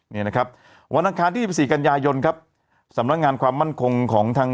นี่นะครับวันอังคารที่๑๔กันยายนครับสำนักงานความมั่นคงของทาง